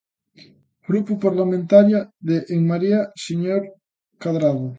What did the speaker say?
Grupo Parlamentaria de En Marea, señor Cadrado.